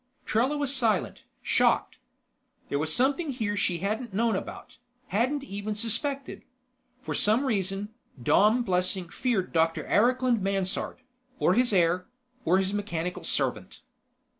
Trella was silent, shocked. There was something here she hadn't known about, hadn't even suspected. For some reason, Dom Blessing feared Dr. Eriklund Mansard ... or his heir ... or his mechanical servant.